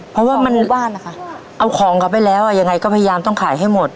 เพราะว่ามันเอาของกลับไปแล้วยังไงก็พยายามต้องขายให้หมด